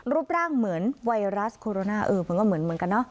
รูปร่างเหมือนไวรัสโคโรนาเออมันก็เหมือนกันเนอะ